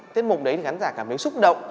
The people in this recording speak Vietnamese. tiết mục đấy thì khán giả cảm thấy xúc động